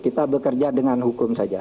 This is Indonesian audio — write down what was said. kita bekerja dengan hukum saja